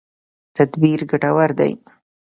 تدبیر ګټور دی.